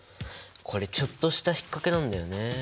これちょっとしたひっかけなんだよね。